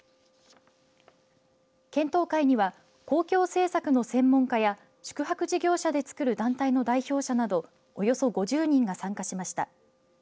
検討会には公共政策の専門家や宿泊事業者でつくる団体の代表者などおよそ５０人が参加しました。